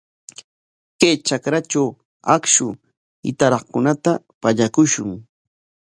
Chay trakratraw akshu hitaraqkunata pallakushun.